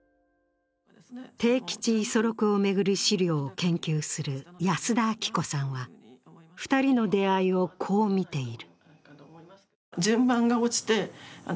悌吉、五十六を巡る資料を研究する安田晃子さんは、２人の出会いをこう見ている。